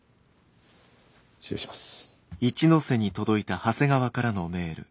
失礼します。